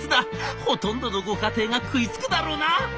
ほとんどのご家庭が食いつくだろうな。